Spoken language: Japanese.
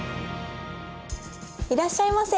いらっしゃいませ。